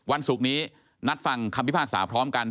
ศุกร์นี้นัดฟังคำพิพากษาพร้อมกัน